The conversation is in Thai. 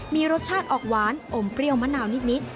มีรสชาติออกหวานอมเปรี้ยวมะนาวนิด